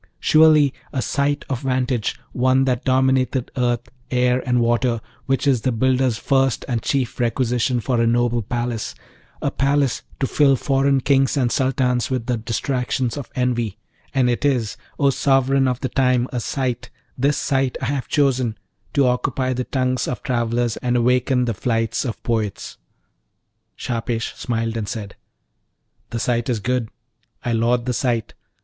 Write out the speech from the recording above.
Surely a site of vantage, one that dominateth earth, air, and water, which is the builder's first and chief requisition for a noble palace, a palace to fill foreign kings and sultans with the distraction of envy; and it is, O Sovereign of the time, a site, this site I have chosen, to occupy the tongues of travellers and awaken the flights of poets!' Shahpesh smiled and said, 'The site is good! I laud the site!